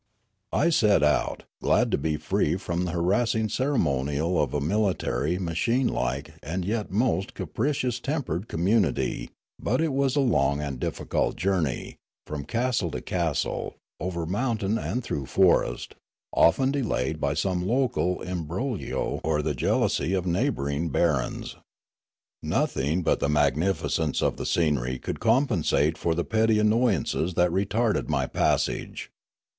I set out, glad to be free from the harassing cere monial of a military, machine like, and yet most capricious tempered community ; but it was a long and difficult journey, from castle to castle, over mountain and through forest, often delayed by some local imbroglio or the jealousy of neighbouring barons. Nothing but the magnificence of the scenery could compensate for the petty annoyances that retarded my passage.